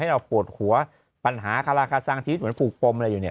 เราปวดหัวปัญหาคาราคาซังชีวิตเหมือนปลูกปมอะไรอยู่เนี่ย